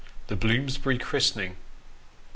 THE BLOOM8BUBY CHRISTENING. MB.